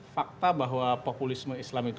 fakta bahwa populisme islam itu